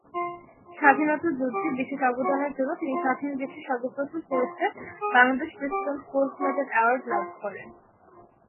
স্বাধীনতা যুদ্ধে বিশেষ অবদানের জন্য তিনি স্বাধীন দেশের সর্বপ্রথম পুরস্কার "Bangladesh president gold medal award" লাভ করেন।